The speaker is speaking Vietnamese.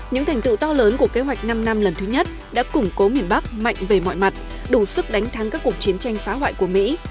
những thành tựu to lớn của kế hoạch năm năm lần thứ nhất đã củng cố miền bắc mạnh về mọi mặt đủ sức đánh thắng các cuộc chiến tranh phá hoại của mỹ